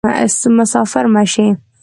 مسافر مه شي